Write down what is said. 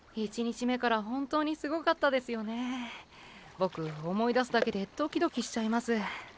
ボク思い出すだけでドキドキしちゃいます。